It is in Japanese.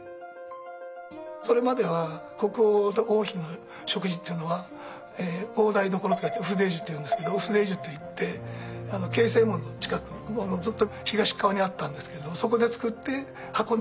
それまでは国王と王妃の食事っていうのは大台所と書いてウフデージュっていうんですけどウフデージュっていって経世門の近くずっと東側にあったんですけどもそこで作って運んできてたと。